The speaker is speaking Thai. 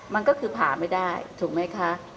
มันก็คือผ่าไม่ได้ถูกไหมคะ